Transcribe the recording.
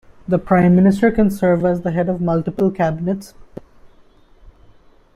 A Prime Minister can serve as the head of multiple cabinets.